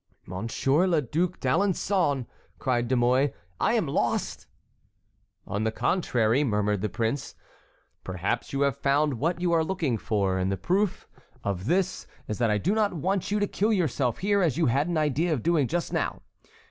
"Monsieur le Duc d'Alençon," cried De Mouy, "I am lost!" "On the contrary," murmured the prince, "perhaps you have found what you are looking for, and the proof of this is that I do not want you to kill yourself here as you had an idea of doing just now.